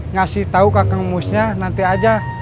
kasih tahu kakak musnya nanti aja